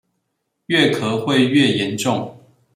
越咳會越嚴重